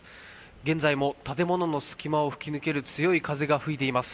現在も建物の隙間を吹き抜ける強い風が吹いています。